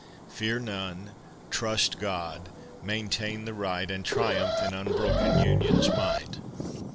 Fear none, trust God, maintain the right, And triumph in unbroken Union's might.